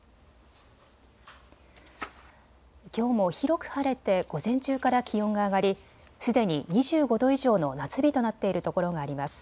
きょうも広く晴れて午前中から気温が上がりすでに２５度以上の夏日となっているところがあります。